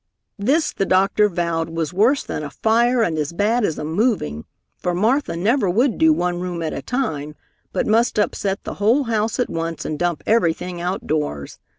This the doctor vowed was worse than a fire and as bad as a moving, for Martha never would do one room at a time, but must upset the whole house at once and dump everything outdoors.